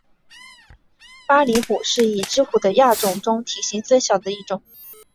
巴厘虎是已知虎的亚种中体型最小的一种。